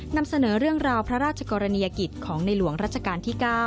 นำเสนอเรื่องราวพระราชกรณียกิจของในหลวงรัชกาลที่๙